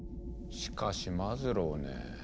しかしマズローねぇ。